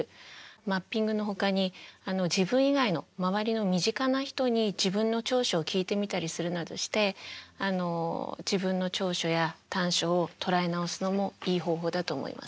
マッピングのほかに自分以外の周りの身近な人に自分の長所を聞いてみたりするなどして自分の長所や短所を捉え直すのもいい方法だと思います。